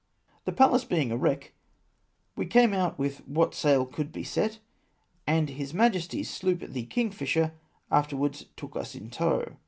" The Pallas being a wreck, Ave came out with what sail could be set, and his jNIajesty's sloop the Kingfisher' after wards took us in tow.